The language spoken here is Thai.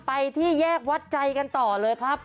ไปที่แยกวัดใจกันต่อเลยครับ